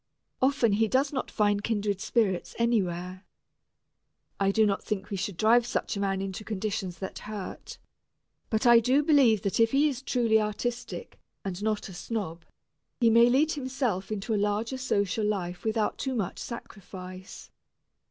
Often he does not find kindred spirits anywhere. I do not think we should drive such a man into conditions that hurt, but I do believe that if he is truly artistic, and not a snob, he may lead himself into a larger social life without too much sacrifice.